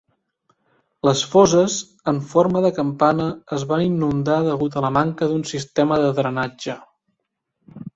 Les fosses en forma de campana es van inundar degut a la manca d'un sistema de drenatge.